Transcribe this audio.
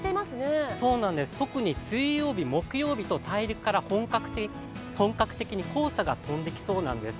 特に水曜日、木曜日と大陸から本格的に黄砂が飛んできそうなんです。